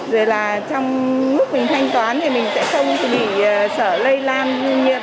rồi là trong lúc mình thanh toán thì mình sẽ không bị sợ lây lan